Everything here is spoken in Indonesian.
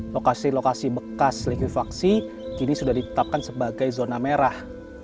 lokasi lokasi bekas likuifaksi kini sudah ditetapkan sebagai zona merah